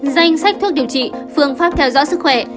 danh sách thuốc điều trị phương pháp theo dõi sức khỏe